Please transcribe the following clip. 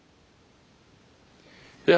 いや